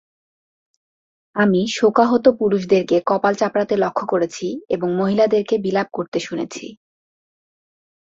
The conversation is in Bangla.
আমি শোকাহত পুরুষদেরকে কপাল চাপড়াতে লক্ষ্য করেছি এবং মহিলাদেরকে বিলাপ করতে শুনেছি।